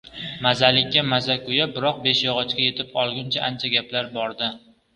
Mazalikka mazaku-ya, biroq Beshyog‘ochga yetib olguncha ancha gap bor-da!